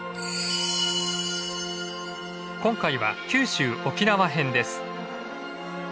今回は九州沖縄編です。